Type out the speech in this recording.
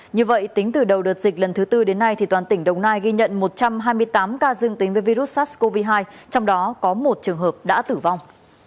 như vậy tính từ đầu đợt dịch lần thứ tư đến nay toàn tỉnh đồng nai ghi nhận một trăm hai mươi tám ca dương tính với virus sars cov hai trong đó có một trường hợp đã tử vong